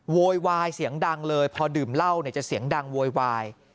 โวยวายเสียงดังเลยพอดื่มเหล้าเนี่ยจะเสียงดังโวยวาย